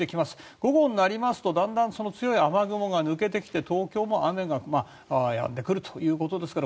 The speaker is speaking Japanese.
午後になりますと、だんだんその強い雨雲が抜けてきて東京も雨がやんでくるということですから